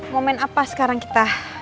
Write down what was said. mau main apa sekarang kita